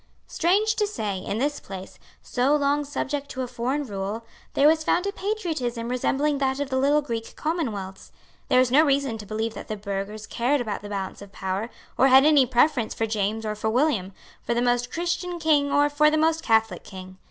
Strange to say, in this place, so long subject to a foreign rule, there was found a patriotism resembling that of the little Greek commonwealths. There is no reason to believe that the burghers cared about the balance of power, or had any preference for James or for William, for the Most Christian King or for the Most Catholic King.